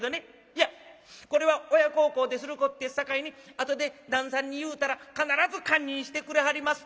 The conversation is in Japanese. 『いやこれは親孝行ですることやさかいに後で旦さんに言うたら必ず堪忍してくれはります。